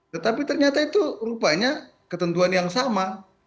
tetapi ternyata itu rupanya ketentuan yang sama